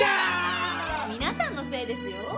皆さんのせいですよ。